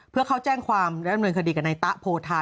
เพื่อเข้าแจ้งความและดำเนินคดีกับนายตะโพธา